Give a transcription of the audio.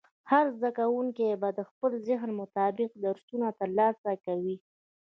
هر زده کوونکی به د خپل ذهن مطابق درسونه ترلاسه کوي.